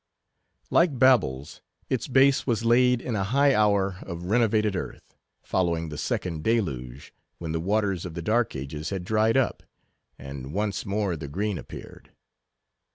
Like Babel's, its base was laid in a high hour of renovated earth, following the second deluge, when the waters of the Dark Ages had dried up, and once more the green appeared.